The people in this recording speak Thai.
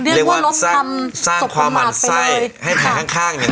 เรียกว่ารถสร้างความหวั่นไซด์ให้แขนข้างอย่างรุ่นแรง